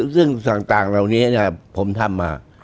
ซึ่งส่างต่างเหล่านี้เนี่ยผมทำมา